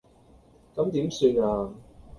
咁點算呀